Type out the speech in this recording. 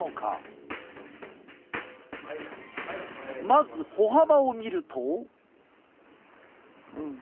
まず歩幅を見ると。